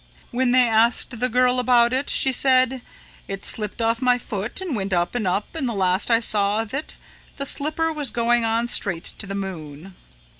When they asked the girl about it she said, 'It slipped off my foot and went up and up and the last I saw of it the slipper was going on straight to the moon.'"